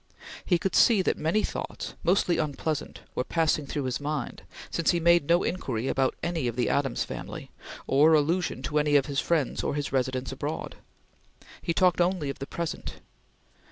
He could see that many thoughts mostly unpleasant were passing through his mind, since he made no inquiry about any of Adams's family, or allusion to any of his friends or his residence abroad. He talked only of the present.